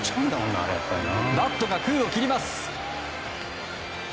バットが空を切ります。